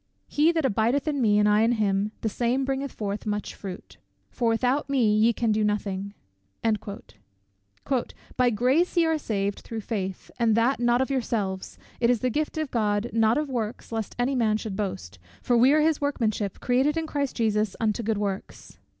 "He that abideth in me and I in him, the same bringeth forth much fruit; for without" (or severed from) "me ye can do nothing," "By grace ye are saved through faith, and that not of yourselves, it is the gift of God; not of works, lest any man should boast: for we are his workmanship, created in Christ Jesus unto good works."